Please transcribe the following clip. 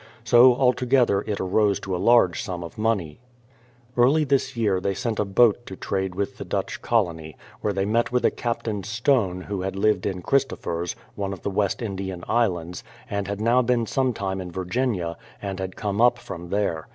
So altogether it arose to a large sum of money . Early this year they sent a boat to trade with the Dutch colony, where they met with a Captain Stone who had lived in Christophers, one of the West Indian Islands, and had now been sometime in Virginia, and had come up from there.